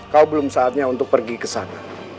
kau belum saatnya untuk pergi gezana